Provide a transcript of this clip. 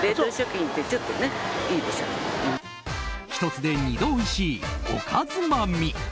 １つで二度おいしいおかづまみ。